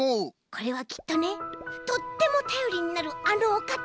これはきっとねとってもたよりになるあのおかた。